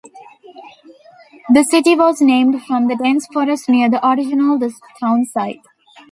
The city was named from the dense forest near the original the town site.